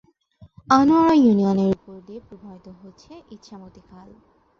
আনোয়ারা ইউনিয়নের উপর দিয়ে প্রবাহিত হচ্ছে ইছামতি খাল।